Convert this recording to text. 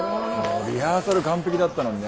リハーサル完璧だったのにね。